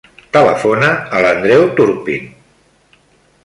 Telefona a l'Andreu Turpin.